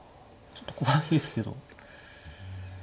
ちょっと怖いですけど。